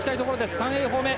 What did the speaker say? ３泳法目。